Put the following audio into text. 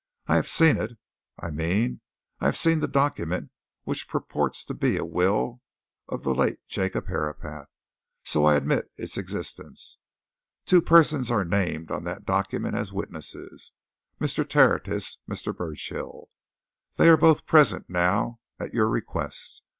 I have seen it I mean, I have seen the document which purports to be a will of the late Jacob Herapath so I admit its existence. Two persons are named on that document as witnesses: Mr. Tertius, Mr. Burchill. They are both present now; at your request.